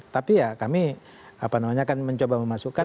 tapi ya kami apa namanya kan mencoba memasukkan